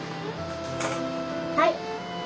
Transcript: はい。